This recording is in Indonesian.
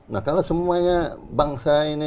nah kalau semuanya bangsa ini